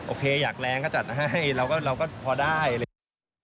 โอเคอยากแรงก็จัดให้เราก็พอได้เลย